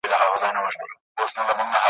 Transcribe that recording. ما به دي په خوب کي مرغلین امېل پېیلی وي ,